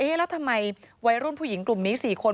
แล้วทำไมวัยรุ่นผู้หญิงกลุ่มนี้๔คน